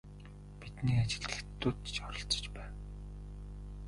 Бидний ажилд хятадууд ч оролцож байв.